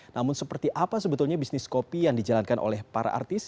namun seperti apa sebetulnya bisnis kopi yang dijalankan oleh para artis